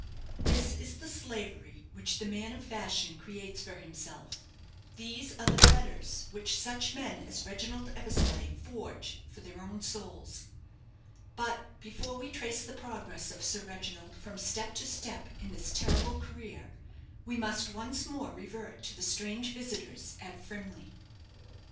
This is the slavery which the man of fashion creates for himself these are the fetters which such men as Reginald Eversleigh forge for their own souls. But before we trace the progress of Sir Reginald from step to step in this terrible career, we must once more revert to the strange visitors at Frimley.